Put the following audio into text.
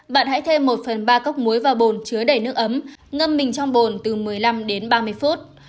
bạn hãy thêm một phần ba cốc muối và bồn chứa đầy nước ấm ngâm mình trong bồn từ một mươi năm đến ba mươi phút